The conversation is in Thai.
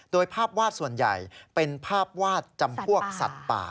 โดยภาพวาดส่วนใหญ่เป็นภาพวาดจำพวกสัตว์ป่า